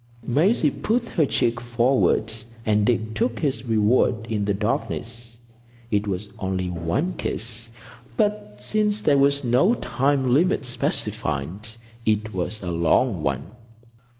Maisie put her cheek forward, and Dick took his reward in the darkness. It was only one kiss, but, since there was no time limit specified, it was a long one.